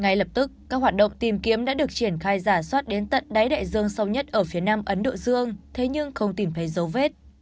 ngay lập tức các hoạt động tìm kiếm đã được triển khai giả soát đến tận đáy đại dương sâu nhất ở phía nam ấn độ dương thế nhưng không tìm thấy dấu vết